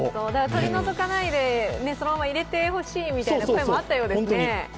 取り除かないでそのまま入れてほしいという声もあったようですね。